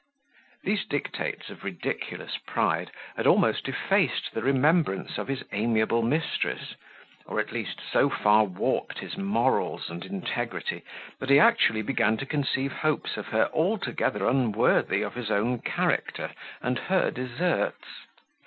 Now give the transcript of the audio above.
These dictates of ridiculous pride had almost effaced the remembrance of his amiable mistress, or at least so far warped his morals and integrity, that he actually began to conceive hopes of her altogether unworthy of his own character and her deserts.